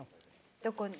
どこに？